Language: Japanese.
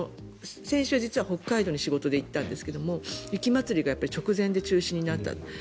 先週、実は北海道に仕事で行ったんですが雪まつりが直前で中止になったと。